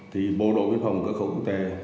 thì bộ đội viên phòng có khẩu quốc tế